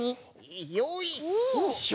よいしょ！